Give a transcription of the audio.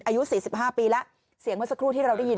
อายุ๔๕ปีแล้วเสียงเมื่อสักครู่ที่เราได้ยิน